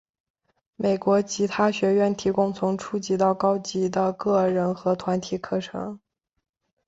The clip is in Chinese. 美国吉他学院提供从初级到高级程度的个人和团体课程。